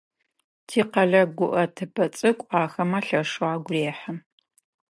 Тикъэлэ гуӏэтыпӏэ цӏыкӏу ахэмэ лъэшэу агу рехьы.